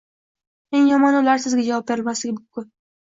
Eng yomoni ular sizga javob bermasligi mumkin.